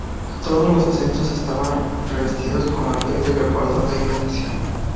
Todos los asientos estaban revestidos con piel de leopardo de imitación.